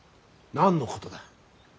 何のことだ。